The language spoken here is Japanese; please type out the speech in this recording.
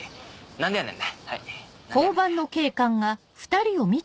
何でやねん！